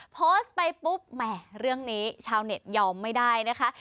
โพสต์ไปปุ๊บแหมเรื่องนี้ชาวเน็ตยอมไม่ได้นะคะ